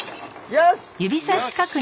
よし！